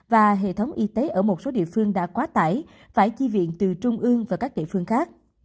và hệ thống y tế ở một số địa phương đã quá tải phải chi viện từ trung ương và các địa phương khác